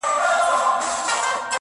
• پرېږده چي تور مولوي -